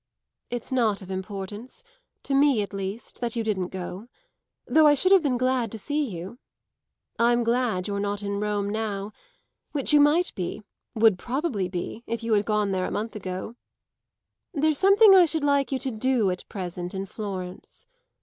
"It's not of importance to me at least that you didn't go; though I should have been glad to see you. I'm glad you're not in Rome now which you might be, would probably be, if you had gone there a month ago. There's something I should like you to do at present in Florence."